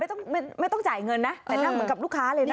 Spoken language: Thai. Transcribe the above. ไม่ต้องไม่ต้องจ่ายเงินนะแต่นั่งเหมือนกับลูกค้าเลยนะ